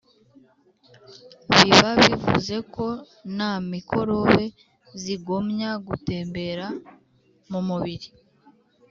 biba bivuze ko na mikorobe zigomya gutembera mu mubiri